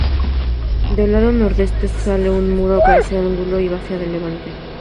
Del lado nordeste sale un muro, que hace ángulo y va hacia levante.